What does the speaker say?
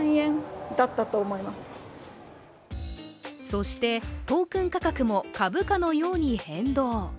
そしてトークン価格も株価のように変動。